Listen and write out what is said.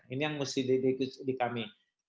ini yang mesti diikuti di kami